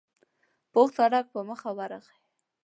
پوخ سړک په مخه ورغی.